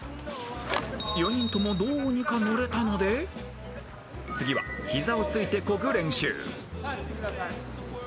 ［４人ともどうにか乗れたので次は膝をついてこぐ練習］